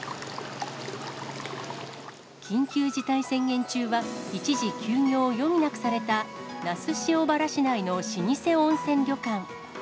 緊急事態宣言中は、一時休業を余儀なくされた、那須塩原市内の老舗温泉旅館。